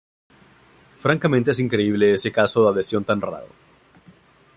Francamente que increíble es ese caso de adhesión tan raro.